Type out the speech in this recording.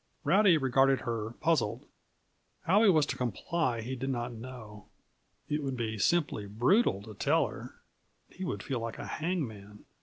Rowdy regarded her, puzzled. How he was to comply he did not know. It would be simply brutal to tell her. He would feel like a hangman.